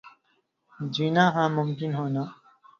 جینا ہاں ممکن ہونا